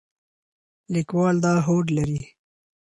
لیکوال دا هوډ لري.